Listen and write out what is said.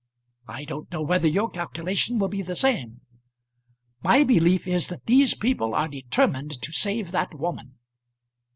I don't know whether your calculation will be the same. My belief is, that these people are determined to save that woman.